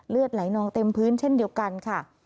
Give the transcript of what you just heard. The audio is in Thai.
เลือดไหลนองเต็มพื้นเช่นเดียวกันค่ะ